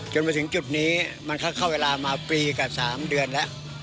จนมาถึงจุดนี้มันก็เข้าเวลามาปีกับ๓เดือนแล้ว